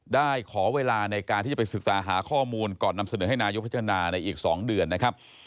ได้ขอเวลาในการที่จะไปศึกษาหาข้อมูลก่อนนำเสนอให้นายกพัฒนาในอีก๒เดือนนะครับ